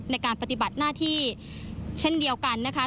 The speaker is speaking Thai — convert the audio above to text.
ในการปฏิบัติหน้าที่เช่นเดียวกันนะคะ